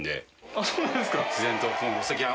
あっそうなんですか。